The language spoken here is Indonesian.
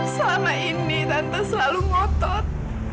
selama ini tante selalu ngotot